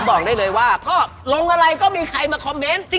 บอกได้เลยว่าก็ลงอะไรก็มีใครมาคอมเมนต์